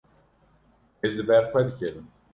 Ez li ber xwe dikevim.